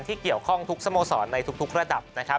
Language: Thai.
ที่เกี่ยวข้องทุกสโมสรในทุกระดับนะครับ